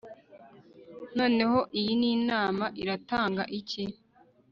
Noneho iyi ni nama iratanga iki